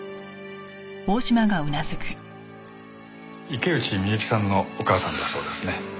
池内美雪さんのお母さんだそうですね。